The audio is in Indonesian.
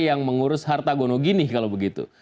yang mengurus harta gonogini kalau begitu